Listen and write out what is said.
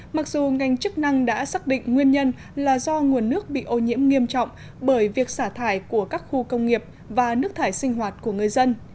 mặc dù ngành chức năng đã xác định nguyên nhân là do nguồn nước bị ô nhiễm nghiêm trọng bởi việc xả thải của các khu công nghiệp và nước thải sinh hoạt của người dân